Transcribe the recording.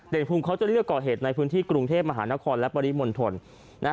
ภูมิเขาจะเลือกก่อเหตุในพื้นที่กรุงเทพมหานครและปริมณฑล